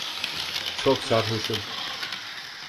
Çok sarhoşum.